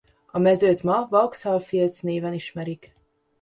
A mezőt ma Vauxhall Fields néven ismerik.